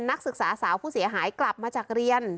นักศึกษาสาวผู้เสียหายกลับมาจากเรียน